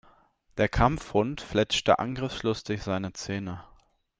Der Kampfhund fletschte angriffslustig seine Zähne.